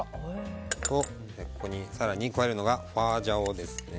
ここに更に加えるのがホアジャオですね。